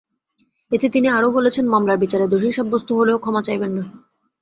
এতে তিনি আরও বলেছেন, মামলার বিচারে দোষী সাব্যস্ত হলেও ক্ষমা চাইবেন না।